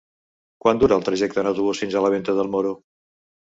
Quant dura el trajecte en autobús fins a Venta del Moro?